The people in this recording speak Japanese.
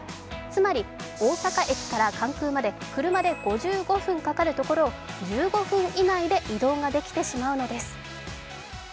つまり、大阪駅から関空まで車で５５分かかるところを１５分以内で移動ができてしまうのです。